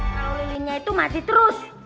kalau lilinnya itu masih terus